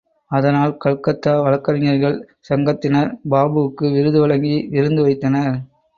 அதனால், கல்கத்தா வழக்கறிஞர்கள் சங்கத்தினர் பாபுவுக்கு விருது வழங்கி விருந்து வைத்தனர்.